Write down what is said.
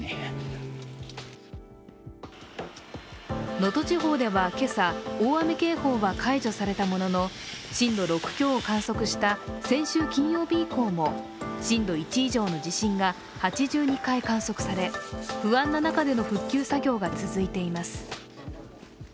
能登地方では今朝、大雨警報は解除されたものの震度６強を観測した、先週金曜日以降も震度１以上の地震が８２回観測され不安な中での復旧作業が続いています。